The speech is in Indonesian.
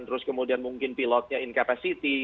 terus kemudian mungkin pilotnya incapacity